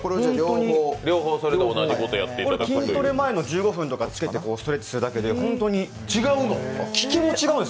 筋トレ前の１５分とかつけてストレッチするだけで本当に、ききも違うんです